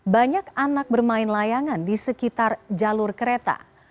banyak anak bermain layangan di sekitar jalur kereta